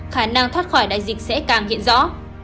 khả năng thoát khỏi đại dịch sẽ càng hiện rõ